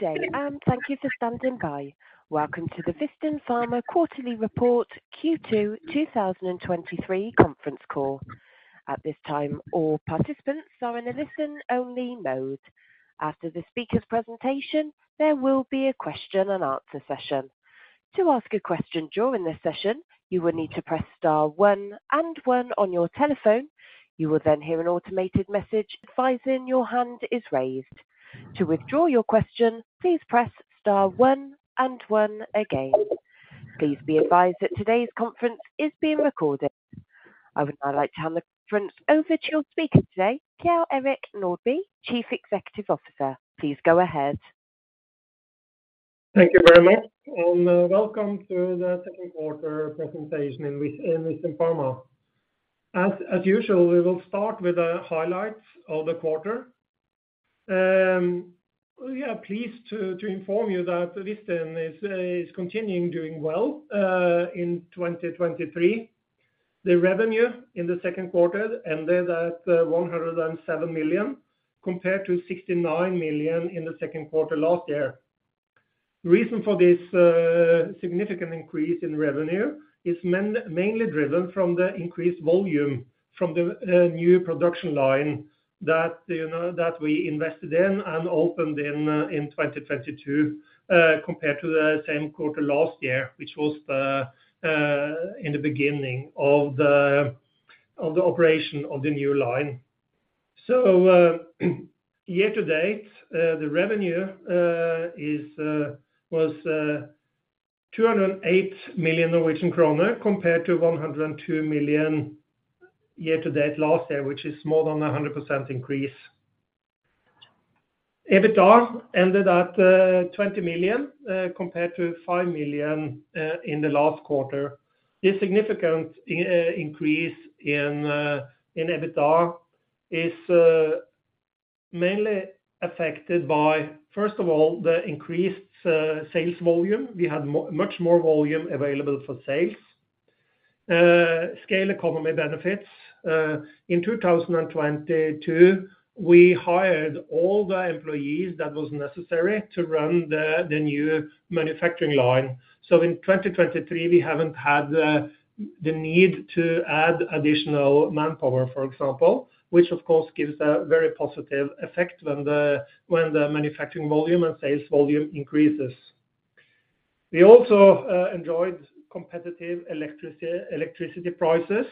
Good day, and thank you for standing by. Welcome to the Vistin Pharma quarterly report, Q2 2023 conference call. At this time, all participants are in a listen-only mode. After the speaker's presentation, there will be a question and answer session. To ask a question during this session, you will need to press star one and one on your telephone. You will then hear an automated message advising your hand is raised. To withdraw your question, please Press Star one and one again. Please be advised that today's conference is being recorded. I would now like to hand the conference over to your speaker today, Kjell-Erik Nordby, Chief Executive Officer. Please go ahead. Thank you very much, welcome to the second quarter presentation in Vistin Pharma. As usual, we will start with the highlights of the quarter. We are pleased to inform you that Vistin is continuing doing well in 2023. The revenue in the second quarter ended at 107 million, compared to 69 million in the second quarter last year. Reason for this significant increase in revenue is mainly driven from the increased volume from the new production line that, you know, that we invested in and opened in 2022, compared to the same quarter last year, which was in the beginning of the operation of the new line. Year-to-date, the revenue was 208 million Norwegian kroner, compared to 102 million year-to-date last year, which is more than a 100% increase. EBITDA ended at 20 million, compared to 5 million in the last quarter. This significant increase in EBITDA is mainly affected by, first of all, the increased sales volume. We had much more volume available for sales. Scale economy benefits. In 2022, we hired all the employees that was necessary to run the new manufacturing line. In 2023, we haven't had the need to add additional manpower, for example, which of course gives a very positive effect when the manufacturing volume and sales volume increases. We also enjoyed competitive electricity prices.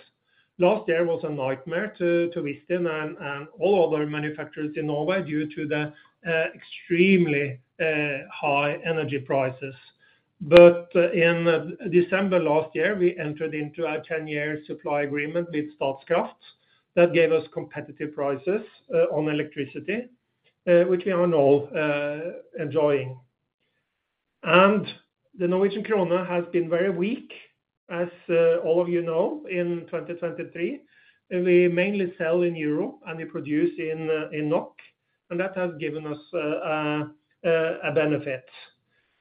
Last year was a nightmare to, to Vistin and all other manufacturers in Norway due to the extremely high energy prices. In December last year, we entered into a 10-year supply agreement with Statkraft that gave us competitive prices on electricity, which we are now enjoying. The Norwegian kroner has been very weak, as all of you know, in 2023. We mainly sell in Euro and we produce in, in NOK, and that has given us a benefit.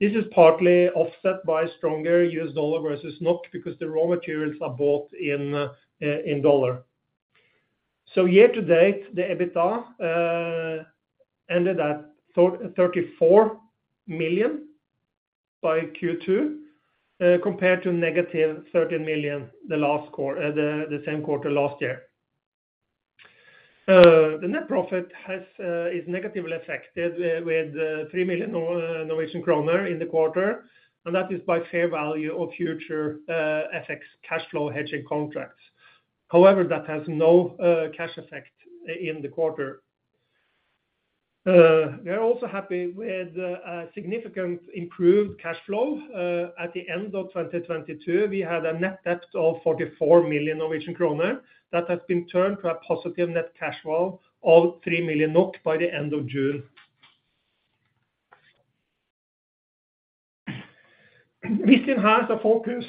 This is partly offset by stronger U.S. dollar versus NOK, because the raw materials are bought in dollar. Year-to-date, the EBITDA ended at 34 million by Q2 compared to negative 13 million the same quarter last year. The net profit has is negatively affected with 3 million kroner in the quarter, and that is by fair value of future FX cash flow hedging contracts. However, that has no cash effect in the quarter. We are also happy with a significant improved cash flow. At the end of 2022, we had a net debt of 44 million Norwegian kroner. That has been turned to a positive net cash flow of 3 million NOK by the end of June. Vistin has a focus,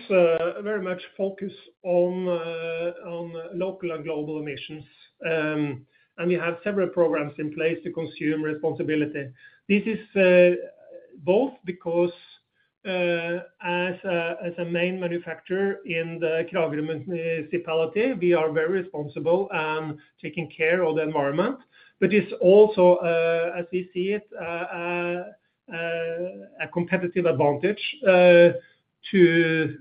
very much focus on local and global emissions, and we have several programs in place to consume responsibility. This is both because as a main manufacturer in the Kragerø Municipality, we are very responsible at taking care of the environment. It's also as we see it, a competitive advantage to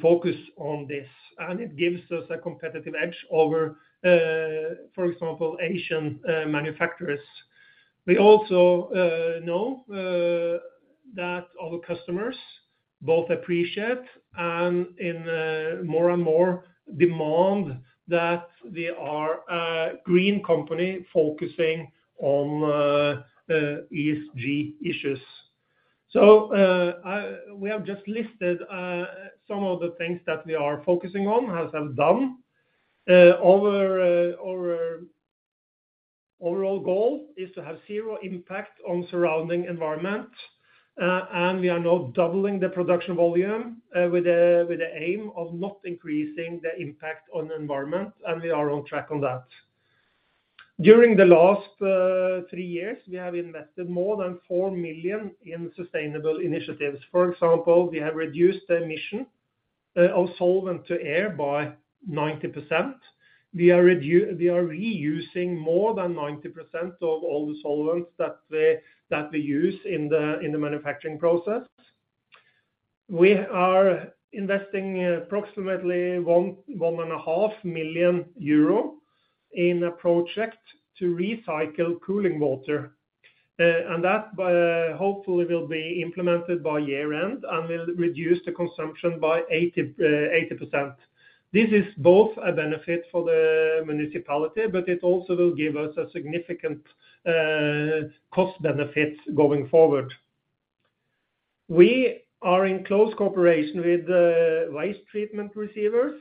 focus on this, and it gives us a competitive edge over, for example, Asian manufacturers. We also know that our customers both appreciate and in more and more demand that we are a green company focusing on ESG issues. We have just listed some of the things that we are focusing on, as I've done. Our, our overall goal is to have zero impact on surrounding environment. We are now doubling the production volume with the, with the aim of not increasing the impact on the environment. We are on track on that. During the last three years, we have invested more than 4 million in sustainable initiatives. For example, we have reduced the emission of solvent to air by 90%. We are reusing more than 90% of all the solvents that we, that we use in the, in the manufacturing process. We are investing approximately 1.5 million euro in a project to recycle cooling water. That by hopefully will be implemented by year-end and will reduce the consumption by 80%. This is both a benefit for the municipality, but it also will give us a significant cost benefit going forward. We are in close cooperation with the waste treatment receivers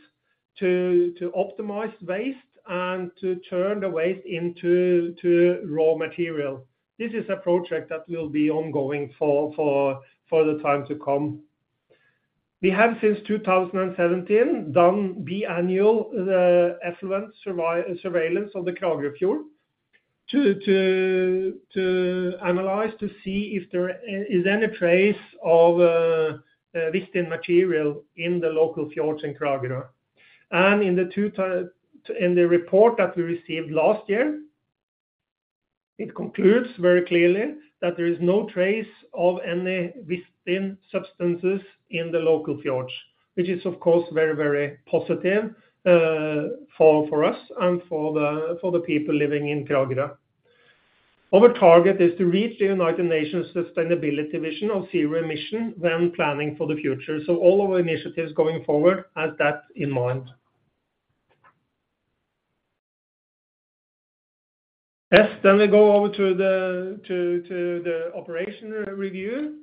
to optimize waste and to turn the waste into raw material. This is a project that will be ongoing for the time to come. We have, since 2017, done biannual effluent surveillance of the Kragerfjord to analyze, to see if there is any trace of Vistin material in the local fjords in Kragerø. In the report that we received last year, it concludes very clearly that there is no trace of any Vistin substances in the local fjords, which is, of course, very, very positive for us and for the people living in Kragerø. Our target is to reach the United Nations sustainability vision of zero emission when planning for the future. All our initiatives going forward have that in mind. Yes, we go over to the operation review.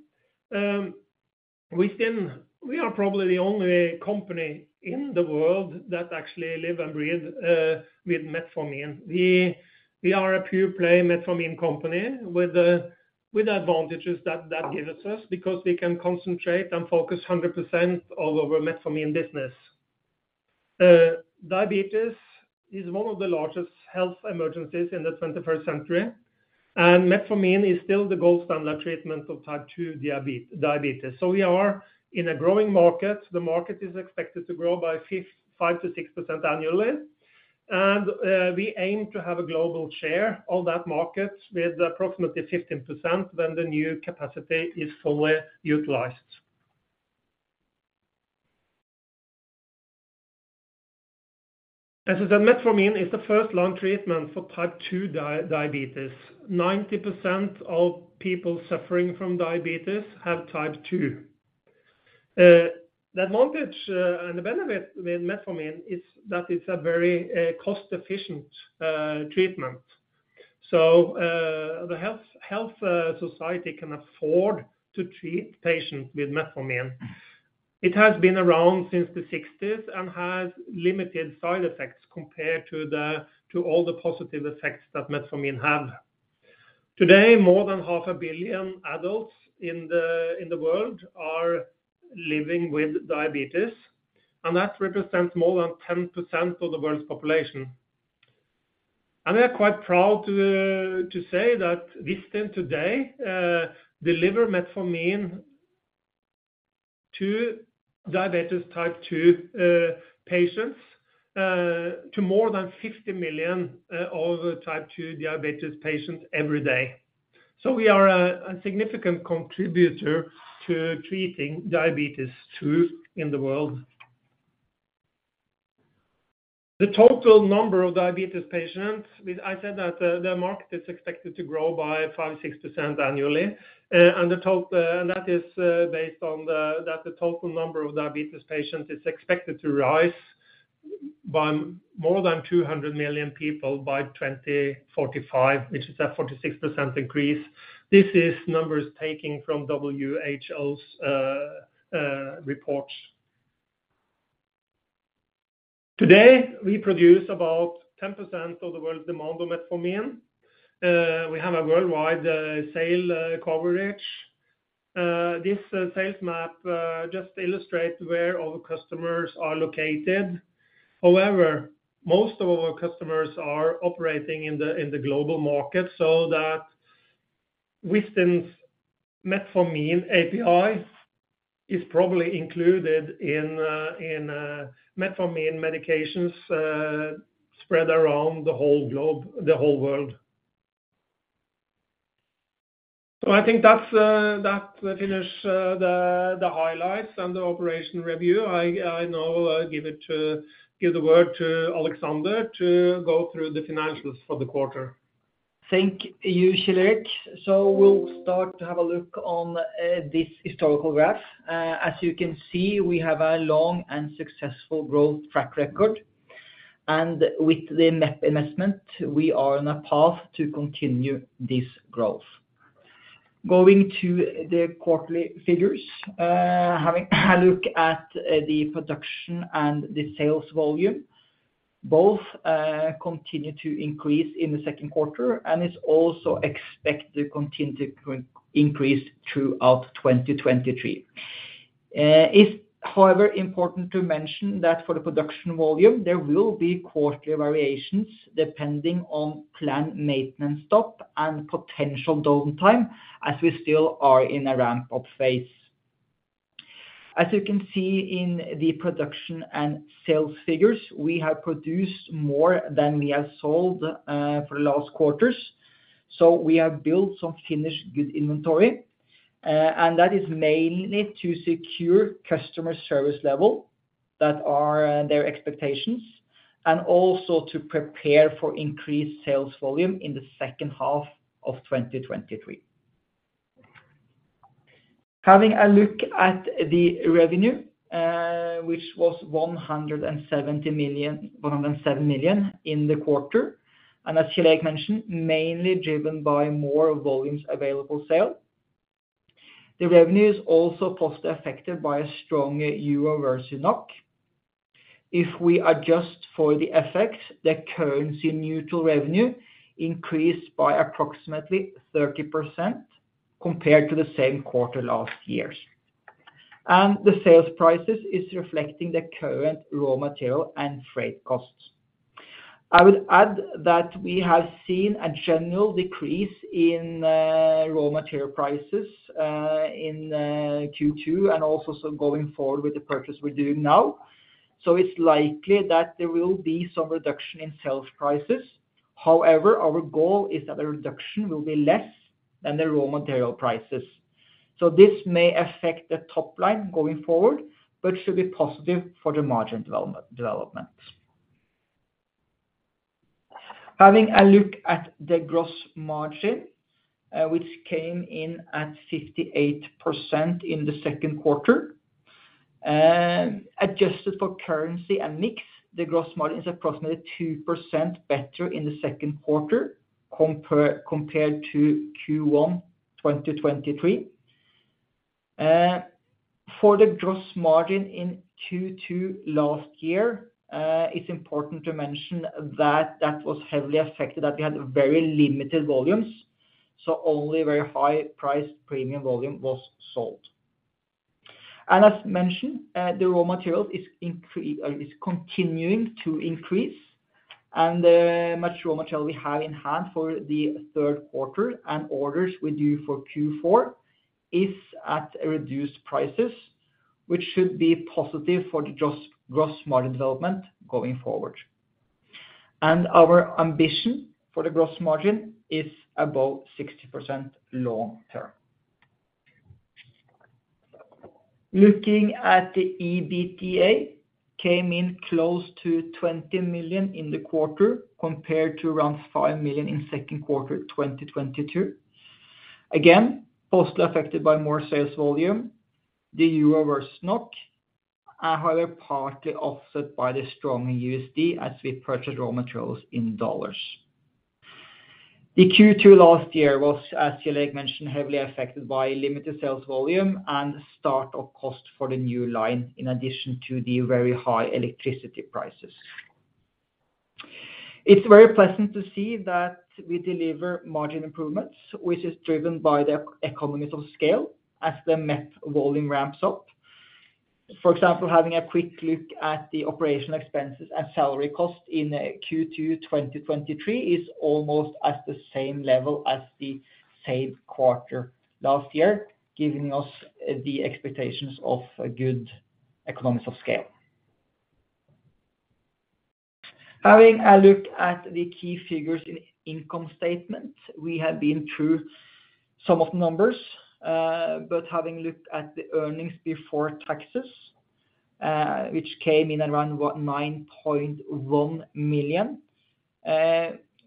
We are probably the only company in the world that actually live and breathe with metformin. We are a pure-play metformin company with advantages that that gives us, because we can concentrate and focus 100% all over metformin business. Diabetes is one of the largest health emergencies in the 21st century, and metformin is still the gold standard treatment of type two diabetes. We are in a growing market. The market is expected to grow by 5%-6% annually, we aim to have a global share of that market with approximately 15% when the new capacity is fully utilized. As the Metformin is the first-line treatment for type 2 diabetes, 90% of people suffering from diabetes have type two. The advantage and the benefit with Metformin is that it's a very cost-efficient treatment. The health society can afford to treat patients with Metformin. It has been around since the sixties and has limited side effects compared to the, to all the positive effects that Metformin have. Today, more than 500 million adults in the world are living with diabetes, that represents more than 10% of the world's population. We are quite proud to say that Vistin today deliver Metformin to type two diabetes patients to more than 50 million of type two diabetes patients every day. We are a significant contributor to treating diabetes two in the world. The total number of diabetes patients, with... I said that the market is expected to grow by 5%-6% annually, and the total, and that is based on the, that the total number of diabetes patients is expected to rise by more than 200 million people by 2045, which is a 46% increase. This is numbers taken from WHO's report. Today, we produce about 10% of the world's demand of Metformin. We have a worldwide sale coverage. This sales map just illustrates where our customers are located. However, most of our customers are operating in the global market, so that Vistin's Metformin API is probably included in, in Metformin medications spread around the whole globe- the whole world. I think that's that finish the highlights and the operation review. I now give the word to Alexander to go through the financials for the quarter. Thank you, Kjell-Erik. We'll start to have a look on this historical graph. As you can see, we have a long and successful growth track record, and with the MEP investment, we are on a path to continue this growth. Going to the quarterly figures, having a look at the production and the sales volume, both continue to increase in the second quarter, and it's also expected to continue to increase throughout 2023. It's however important to mention that for the production volume, there will be quarterly variations depending on planned maintenance stop and potential downtime, as we still are in a ramp-up phase. As you can see in the production and sales figures, we have produced more than we have sold for the last quarters. We have built some finished good inventory, and that is mainly to secure customer service level, that are their expectations, and also to prepare for increased sales volume in the second half of 2023. Having a look at the revenue, which was 170 million-107 million in the quarter, and as Kjell-Erik mentioned, mainly driven by more volumes available for sale. The revenue is also positive, affected by a stronger Euro versus NOK. If we adjust for the effects, the currency neutral revenue increased by approximately 30% compared to the same quarter last year's. The sales prices is reflecting the current raw material and freight costs. I would add that we have seen a general decrease in, raw material prices, in, Q2, and also some going forward with the purchase we're doing now. It's likely that there will be some reduction in sales prices. However, our goal is that the reduction will be less than the raw material prices. This may affect the top line going forward, but should be positive for the margin development. Having a look at the gross margin, which came in at 58% in the second quarter, adjusted for currency and mix, the gross margin is approximately 2% better in the second quarter, compared to Q1 2023. For the gross margin in Q2 last year, it's important to mention that that was heavily affected, that we had very limited volumes, so only very high-priced premium volume was sold. As mentioned, the raw materials is continuing to increase, and much raw material we have in hand for the third quarter, and orders we do for Q4 is at a reduced prices, which should be positive for the gross, gross margin development going forward. Our ambition for the gross margin is above 60% long term. Looking at the EBITDA, came in close to 20 million in the quarter, compared to around 5 million in second quarter 2022. Again, closely affected by more sales volume. The Euro versus NOK are however, partly offset by the strong USD as we purchase raw materials in US dollars. The Q2 last year was, as Kjell-Erik mentioned, heavily affected by limited sales volume and start of cost for the new line, in addition to the very high electricity prices. It's very pleasant to see that we deliver margin improvements, which is driven by the economies of scale as the MEP volume ramps up. For example, having a quick look at the operational expenses and salary costs in Q2 2023, is almost at the same level as the same quarter last year, giving us the expectations of a good economics of scale. Having a look at the key figures in income statement, we have been through some of the numbers, but having looked at the earnings before taxes, which came in around, what? 9.1 million,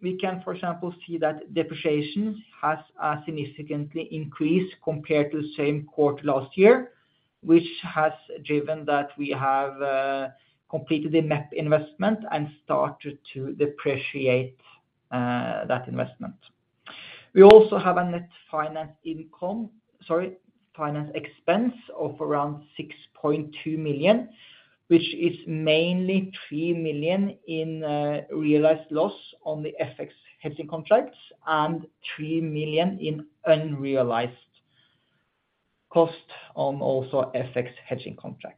we can, for example, see that depreciation has significantly increased compared to the same quarter last year, which has driven that we have completed the MEP investment and started to depreciate that investment. We also have a net finance income-- sorry, finance expense of around 6.2 million, which is mainly 3 million in realized loss on the FX hedging contracts and 3 million in unrealized cost on also FX hedging contracts.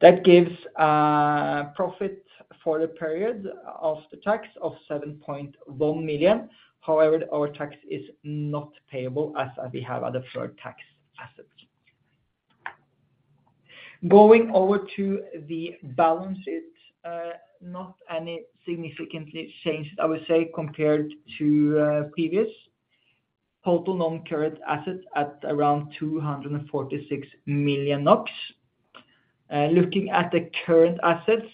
That gives profit for the period of the tax of 7.1 million. However, our tax is not payable as we have other deferred tax assets. Going over to the balance sheet, not any significantly changed, I would say, compared to previous. Total non-current assets at around 246 million NOK. Looking at the current assets,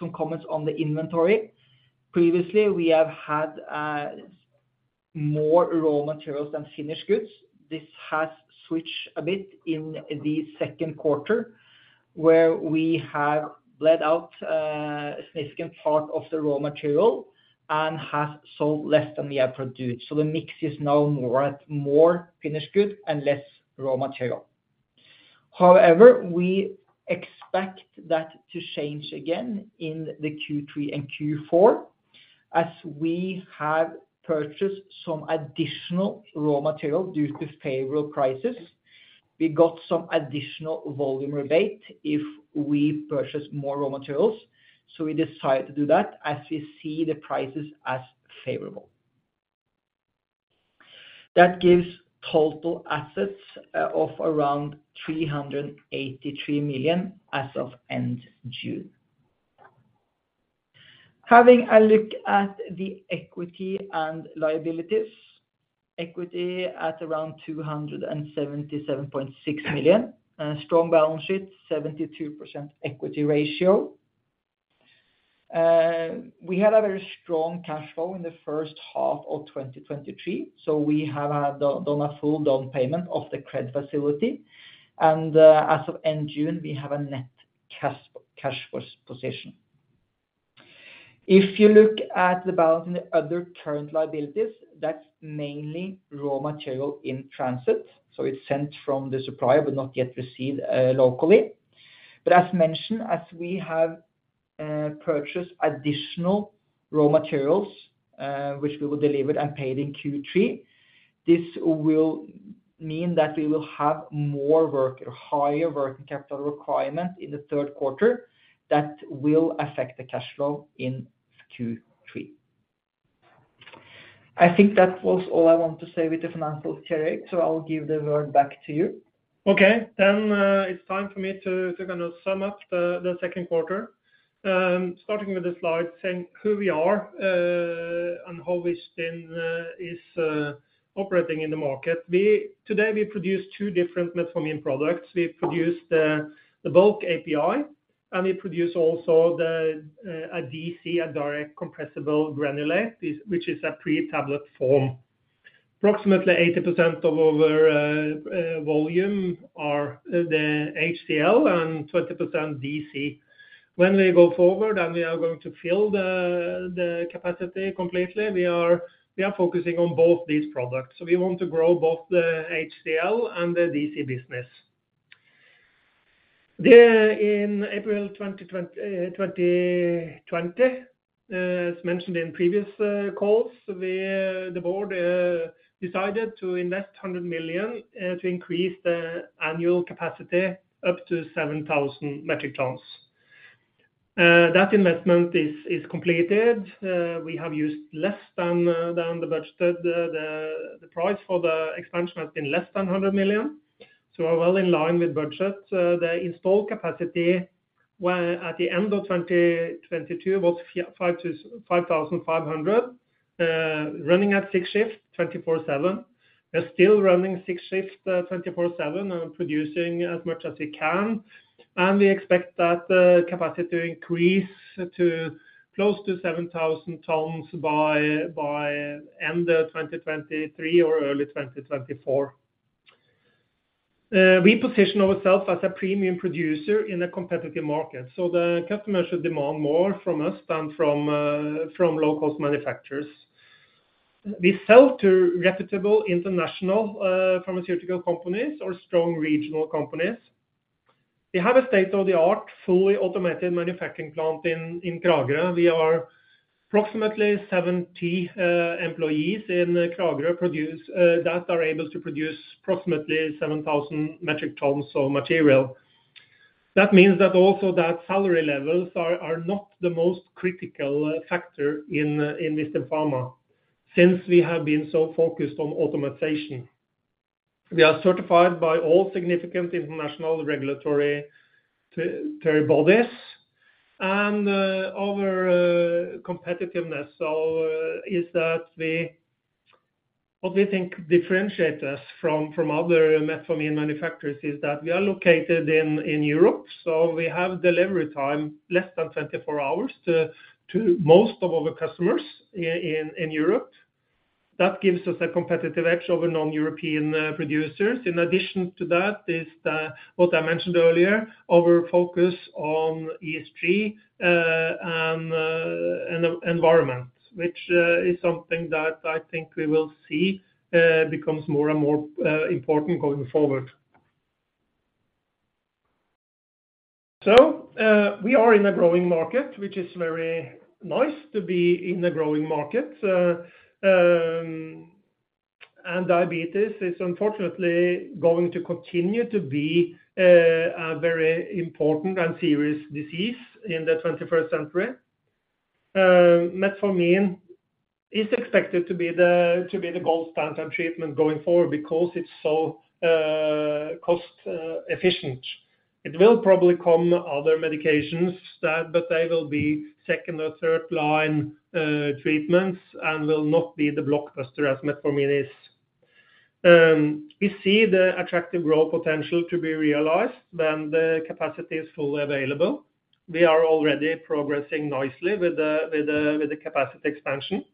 Some comments on the inventory. Previously, we have had more raw materials than finished goods. This has switched a bit in the second quarter, where we have bled out a significant part of the raw material and have sold less than we have produced. The mix is now more at more finished good and less raw material. However, we expect that to change again in the Q3 and Q4, as we have purchased some additional raw material due to favorable prices. We got some additional volume rebate if we purchase more raw materials, we decided to do that as we see the prices as favorable. That gives total assets of around 383 million as of end June. Having a look at the equity and liabilities. Equity at around 277.6 million, strong balance sheet, 72% equity ratio. We had a very strong cash flow in the first half of 2023, so we have done, done a full down payment of the credit facility, and as of end June, we have a net cash, cash flow position. If you look at the balance in the other current liabilities, that's mainly raw material in transit, so it's sent from the supplier, but not yet received locally. As mentioned, as we have purchased additional raw materials, which we will deliver and paid in Q3, this will mean that we will have more work, higher working capital requirement in the third quarter. That will affect the cash flow in Q3. I think that was all I want to say with the financial, Kjell-Erik, so I'll give the word back to you. Okay. It's time for me to kind of sum up the second quarter. Starting with the slide, saying who we are and how we stand is operating in the market. Today, we produce two different Metformin products. We produce the bulk API, and we produce also a D.C., a direct compressible granulate, which is a pre-tablet form. Approximately 80% of our volume are the HCl and 20% D.C.. When we go forward and we are going to fill the capacity completely, we are focusing on both these products, we want to grow both the HCl and the D.C. business. In April 2020, as mentioned in previous calls, the board decided to invest 100 million to increase the annual capacity up to 7,000 metric tons. That investment is completed. We have used less than the budgeted. The price for the expansion has been less than 100 million, so we're well in line with budget. The installed capacity, where at the end of 2022, was 5,500, running at 6 shift, 24/7. They're still running 6 shift, 24/7, and producing as much as we can. We expect that the capacity increase to close to 7,000 tons by end of 2023 or early 2024. We position ourselves as a premium producer in a competitive market, so the customer should demand more from us than from low-cost manufacturers. We sell to reputable international pharmaceutical companies or strong regional companies. We have a state-of-the-art, fully automated manufacturing plant in Kragerø. We are approximately 70 employees in Kragerø, produce that are able to produce approximately 7,000 metric tons of material. That means that also that salary levels are not the most critical factor in this pharma, since we have been so focused on automatization. We are certified by all significant international regulatory to bodies, and our competitiveness, so, is that what we think differentiates us from, from other Metformin manufacturers, is that we are located in, in Europe, so we have delivery time, less than 24 hours to, to most of our customers in, in Europe. That gives us a competitive edge over non-European producers. In addition to that, is the, what I mentioned earlier, our focus on ESG, and and environment, which is something that I think we will see becomes more and more important going forward. We are in a growing market, which is very nice to be in a growing market. Diabetes is unfortunately going to continue to be a very important and serious disease in the twenty-first century. Metformin is expected to be the, to be the gold standard treatment going forward because it's so cost efficient. It will probably come other medications that, but they will be second or third line treatments and will not be the blockbuster as Metformin is. We see the attractive growth potential to be realized when the capacity is fully available. We are already progressing nicely with the, with the, with the capacity expansion.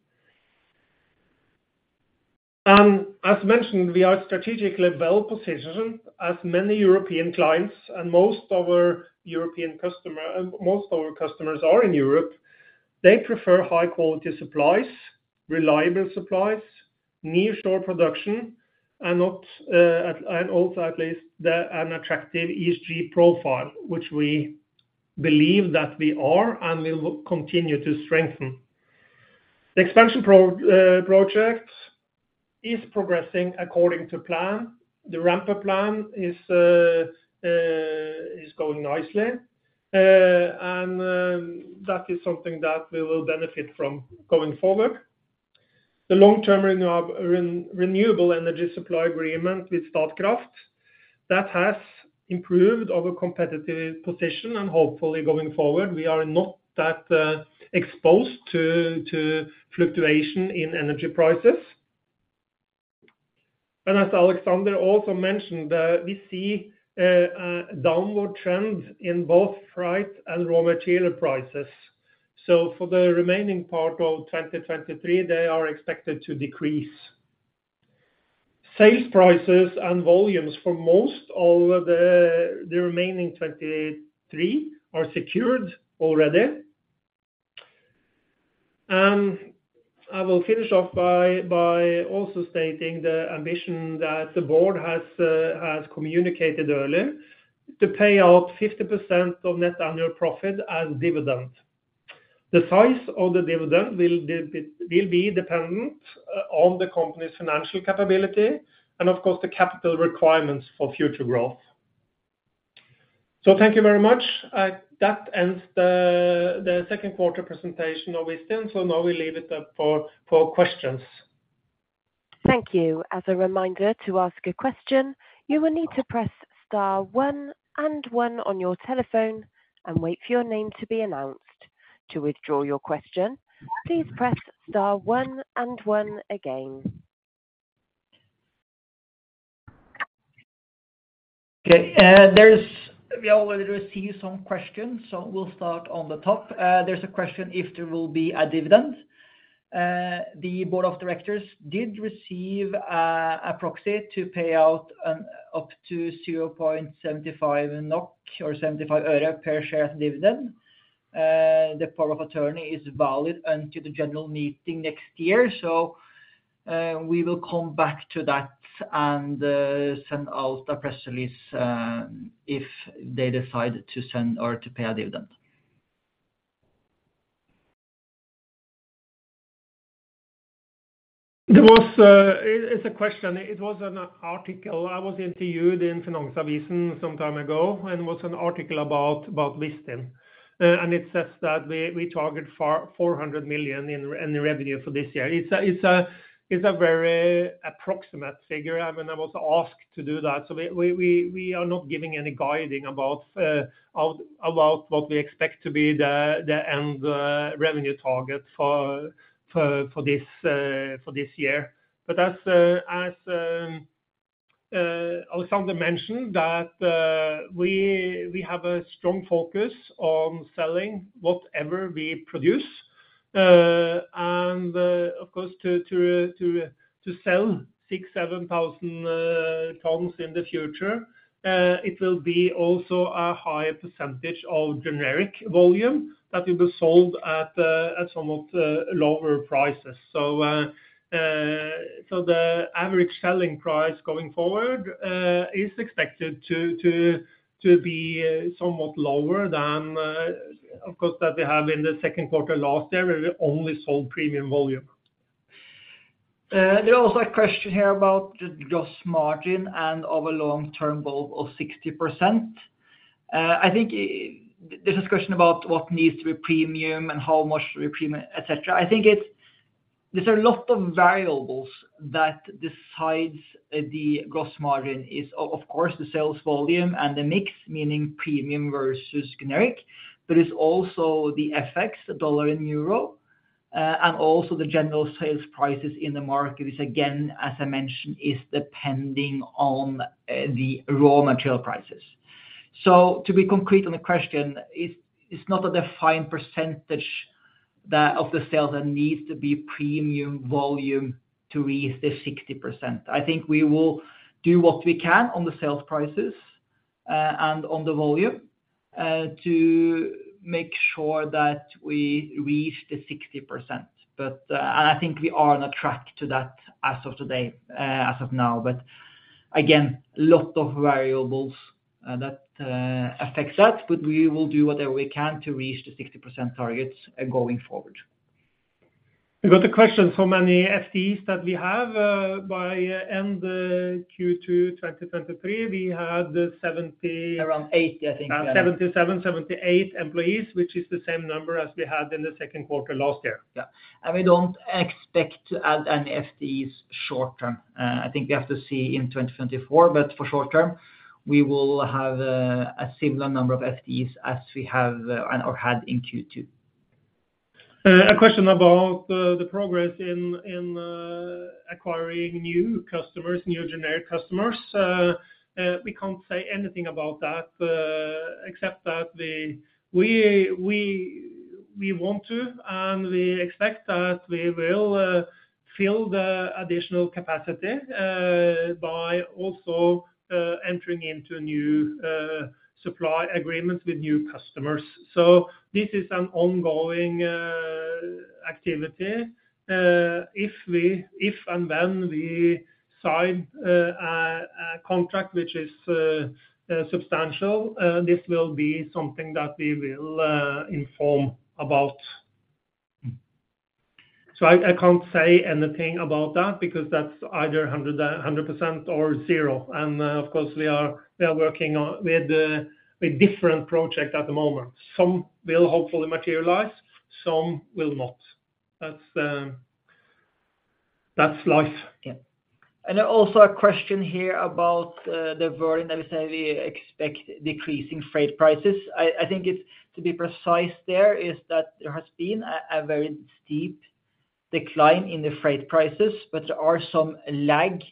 As mentioned, we are strategically well positioned as many European clients and most of our European customer, and most of our customers are in Europe. They prefer high-quality supplies, reliable supplies, near store production, and not, and also at least the, an attractive ESG profile, which we believe that we are and will continue to strengthen. The expansion project is progressing according to plan. The ramp-up plan is going nicely, and that is something that we will benefit from going forward. The long-term renewable energy supply agreement with Statkraft, that has improved our competitive position and hopefully going forward, we are not that exposed to fluctuation in energy prices. As Alexander also mentioned, we see a downward trend in both freight and raw material prices. For the remaining part of 2023, they are expected to decrease. Sales prices and volumes for most of the remaining 2023 are secured already. I will finish off by also stating the ambition that the board has communicated earlier, to pay out 50% of net annual profit and dividend. The size of the dividend will be dependent on the company's financial capability, and of course, the capital requirements for future growth. Thank you very much. That ends the, the second quarter presentation of Vistin, now we leave it up for, for questions. Thank you. As a reminder, to ask a question, you will need to press star one and one on your telephone and wait for your name to be announced. To withdraw your question, please press star one and one again. Okay, there's- we already receive some questions, so we'll start on the top. There's a question if there will be a dividend. The board of directors did receive a proxy to pay out up to 0.75 NOK or NOK 0.75 per share as dividend. The power of attorney is valid until the general meeting next year. We will come back to that and send out a press release if they decide to send or to pay a dividend. There was, it's a question. It was an article. I was interviewed in Finansavisen some time ago. It was an article about, about Vistin. It says that we, we target 400 million in, in revenue for this year. It's a very approximate figure. I mean, I was asked to do that. We are not giving any guiding about what we expect to be the end revenue target for this year. As Alexander mentioned, that we have a strong focus on selling whatever we produce, and of course, to sell 6,000-7,000 tons in the future, it will be also a higher percentage of generic volume that will be sold at somewhat lower prices. So the average selling price going forward is expected to be somewhat lower than, of course, that we have in the second quarter last year, where we only sold premium volume. There was a question here about just gross margin and our long term goal of 60%. I think this is a question about what needs to be premium and how much to be premium, et cetera. I think there's a lot of variables that decides the gross margin is, of course, the sales volume and the mix, meaning premium versus generic, but it's also the FX, the U.S. dollar and Euro, and also the general sales prices in the market, which, again, as I mentioned, is depending on the raw material prices. To be concrete on the question, it's not a defined percentage that of the sales that needs to be premium volume to reach the 60%. I think we will do what we can on the sales prices, and on the volume, to make sure that we reach the 60%. I think we are on a track to that as of today, as of now. Again, a lot of variables, that affects that, but we will do whatever we can to reach the 60% targets going forward. We got a question, how many FTEs that we have? By end Q2 2023, we had seventy- Around 80, I think. 77-78 employees, which is the same number as we had in the second quarter last year. Yeah. We don't expect to add any FTEs short term. I think we have to see in 2024, for short term, we will have a similar number of FTEs as we have or had in Q2. A question about the progress in acquiring new customers, new generic customers. We can't say anything about that, except that we want to, and we expect that we will fill the additional capacity by also entering into new supply agreements with new customers. This is an ongoing activity. If and when we sign a contract which is substantial, this will be something that we will inform about. I can't say anything about that because that's either 100% or zero. Of course, we are working on with different project at the moment. Some will hopefully materialize, some will not. That's that's life. Yeah. Also a question here about the volume, let me say, we expect decreasing freight prices. I, I think it's to be precise there, is that there has been a very steep decline in the freight prices, but there are some lag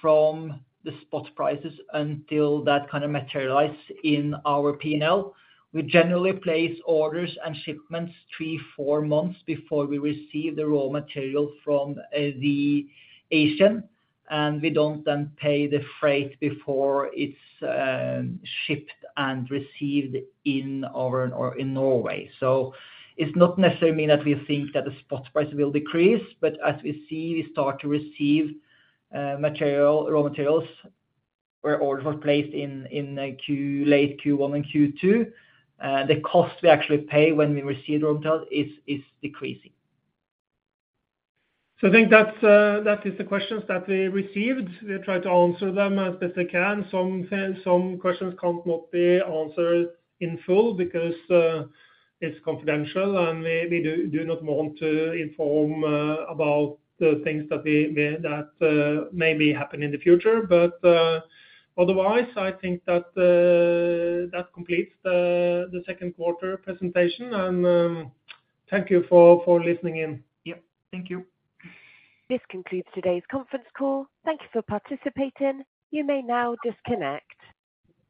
from the spot prices until that kind of materialize in our P&L. We generally place orders and shipments three, four months before we receive the raw material from the Asian, and we don't then pay the freight before it's shipped and received in our or in Norway. It's not necessarily mean that we think that the spot price will decrease, but as we see, we start to receive material, raw materials, where orders were placed in, in Q, late Q1 and Q2. The cost we actually pay when we receive raw material is, is decreasing. I think that's, that is the questions that we received. We try to answer them as best they can. Some, some questions cannot be answered in full because it's confidential, and we, we do, do not want to inform about the things that we, we, that maybe happen in the future. Otherwise, I think that completes the second quarter presentation, and thank you for, for listening in. Yep. Thank you. This concludes today's Conference Call. Thank you for participating. You may now disconnect.